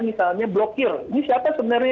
misalnya blokir ini siapa sebenarnya